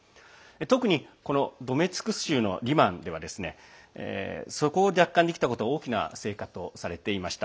特にドネツク州のリマンではそこを奪還できたことは大きな成果とされていました。